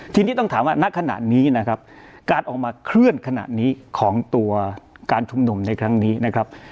ทีนี้ต้องถามว่าณขณะนี้นะครับการออกมาเคลื่อนขณะนี้ของตัวการชุมนุมในครั้งนี้นะครับ